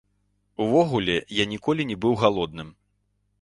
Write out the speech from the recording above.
Увогуле, я ніколі не быў галодным.